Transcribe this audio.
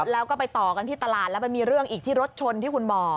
แล้วก็ไปต่อกันที่ตลาดแล้วมันมีเรื่องอีกที่รถชนที่คุณบอก